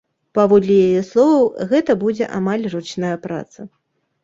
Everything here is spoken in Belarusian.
Паводле яе словаў, гэта будзе амаль ручная праца.